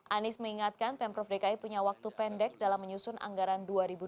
anies mengingatkan pemprov dki punya waktu pendek dalam menyusun anggaran dua ribu dua puluh